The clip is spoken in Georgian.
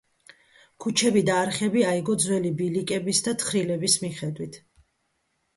ქუჩები და არხები აიგო ძველი ბილიკების და თხრილების მიხედვით.